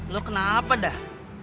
lo kenapa dah